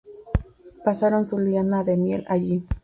Pasaron su luna de miel allí.